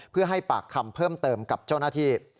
เพื่อให้ปากคำเพิ่มเติมกับเจ้าหน้าที่